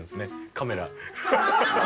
カメラ。